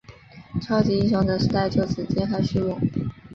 超级英雄的时代就此揭开序幕。